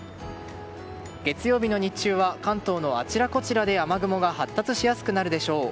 月曜日の日中は関東のあちらこちらで雨雲が発達しやすくなるでしょう。